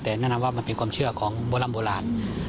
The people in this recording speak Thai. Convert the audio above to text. แต่แนะนำว่ามันเป็นความเชื่อของโบราณโบราณ